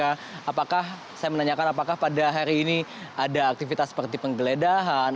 apakah saya menanyakan apakah pada hari ini ada aktivitas seperti penggeledahan